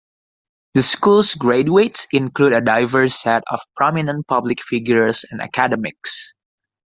The school's graduates include a diverse set of prominent public figures and academics.